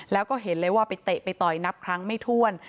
แล้วก็เห็นเลยว่าไปเตะไปต่อยนับครั้งไม่ถ้วน